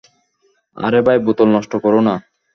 আরে ভাই, বোতল নষ্ট করো না।